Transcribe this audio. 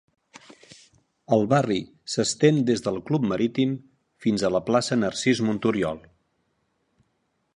El barri s'estén des del club marítim fins a la plaça Narcís Monturiol.